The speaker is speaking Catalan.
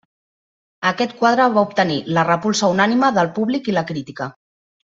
Aquest quadre va obtenir la repulsa unànime del públic i la crítica.